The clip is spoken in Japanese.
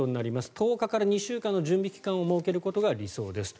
１０日から２週間の準備期間を設けることが理想ですと。